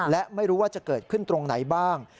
และไม่รู้ว่าจะเกิดขึ้นตรงไหนบ้าง